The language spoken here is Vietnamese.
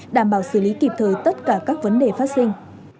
đảm bảo xử lý kịp thời tất cả các vấn đề phát sinh